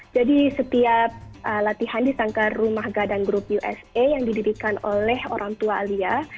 jadi setiap latihan di tangga rumahga dan grup usa yang dididikan oleh orang tua alia